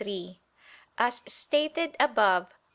3: As stated above (Q.